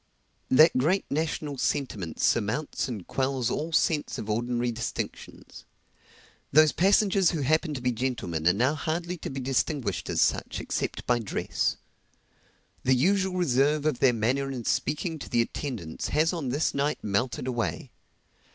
That great national sentiment surmounts and quells all sense of ordinary distinctions. Those passengers who happen to be gentlemen are now hardly to be distinguished as such except by dress. The usual reserve of their manner in speaking to the attendants has on this night melted away.